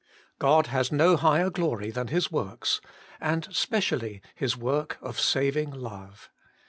God has no higher glory than His works, and specially His work of saving love.